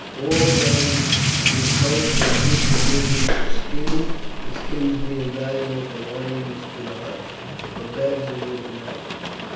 All those whose coats were in good condition were skinned, the skins being valuable for linings to the huts, for beds, and winter mantles.